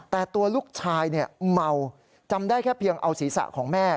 แต่ตัวลูกชายเมาจำได้แค่เพียงเอาศีรษะของแม่